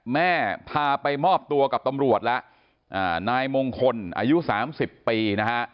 แม่พาไปมอบตัวกับตำรวจแล้วนายมงคลอายุ๓๐ปีนะฮะ